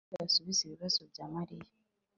tom ntazi uko yasubiza ibibazo bya mariya